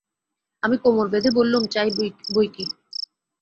আমি কোমর বেঁধে বললুম, চাই বৈকি।